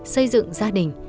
xây dựng gia đình